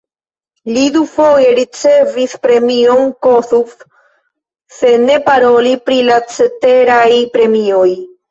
Li dufoje ricevis premion Kossuth, se ne paroli pri la ceteraj premioj.